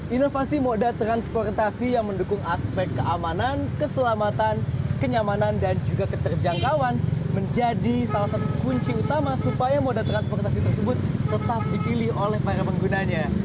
inovasi moda transportasi yang mendukung aspek keamanan keselamatan kenyamanan dan juga keterjangkauan menjadi salah satu kunci utama supaya moda transportasi tersebut tetap dipilih oleh para penggunanya